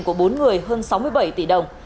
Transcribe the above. của bốn người hơn sáu mươi bảy tỷ đồng